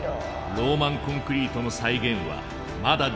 ローマンコンクリートの再現はまだできていない。